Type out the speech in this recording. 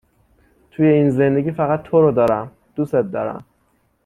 توی این زندگی فقط تو رو دارم دوست دارم.